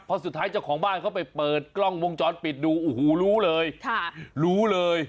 เพราะสุดท้ายเจ้าของบ้านเขาไปเปิดกล้องวงจรปิดดูโอ้โหรู้เลยรู้เลย